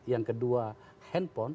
yang kedua handphone